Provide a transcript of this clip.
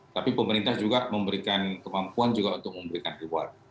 tapi pemerintah juga memberikan kemampuan juga untuk memberikan reward